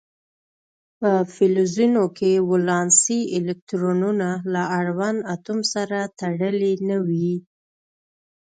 په فلزونو کې ولانسي الکترونونه له اړوند اتوم سره تړلي نه وي.